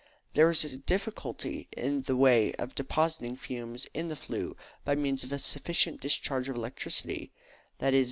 There is a difficulty in the way of depositing fumes in the flue by means of a sufficient discharge of electricity, viz.